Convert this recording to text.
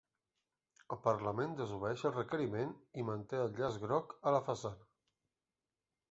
El parlament desobeeix el requeriment i manté el llaç groc a la façana